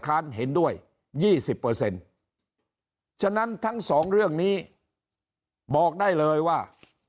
เห็นด้วย๒๐ฉะนั้นทั้งสองเรื่องนี้บอกได้เลยว่า